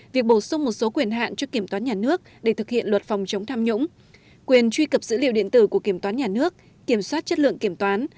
việc bổ sung một số quyền hạn cho kiểm toán nhà nước để thực hiện luật phòng chống tham nhũng quyền truy cập dữ liệu điện tử của kiểm toán nhà nước kiểm soát chất lượng kiểm toán